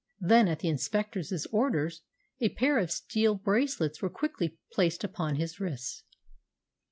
Then, at the inspector's orders, a pair of steel bracelets were quickly placed upon his wrists.